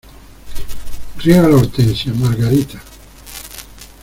Riega la hortensia, Margarita.